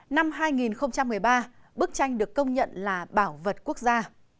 năm hai nghìn một mươi ba bức tranh được công nhận là bảo vật quốc gia